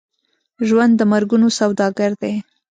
ژوند د مرګونو سوداګر دی.